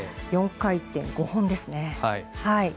４回転、５本ですね。